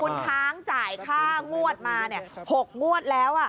คุณค้างจ่ายค่างวดมา๖งวดแล้ว